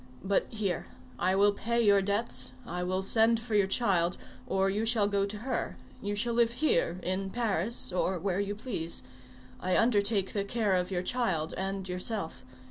But here; I will pay your debts, I will send for your child, or you shall go to her. You shall live here, in Paris, or where you please. I undertake the care of your child and yourself.